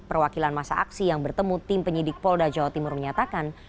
perwakilan masa aksi yang bertemu tim penyidik polda jawa timur menyatakan